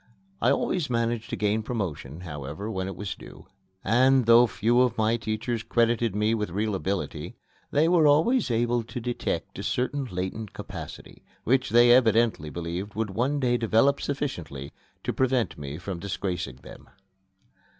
I always managed to gain promotion, however, when it was due; and, though few of my teachers credited me with real ability, they were always able to detect a certain latent capacity, which they evidently believed would one day develop sufficiently to prevent me from disgracing them.